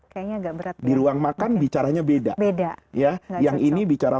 kayaknya agak berat di ruang makan bicaranya beda beda ya yang ini bicara